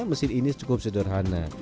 mesin ini cukup sederhana